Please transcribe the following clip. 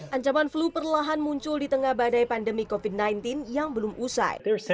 ancaman flu perlahan muncul di tengah badai pandemi covid sembilan belas yang belum usai